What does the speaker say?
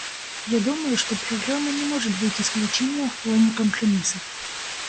Я думаю, что программа не может быть исключением в плане компромиссов.